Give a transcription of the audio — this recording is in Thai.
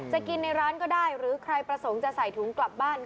จะกินในร้านก็ได้หรือใครประสงค์จะใส่ถุงกลับบ้าน